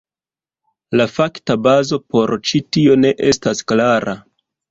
La fakta bazo por ĉi tio ne estas klara.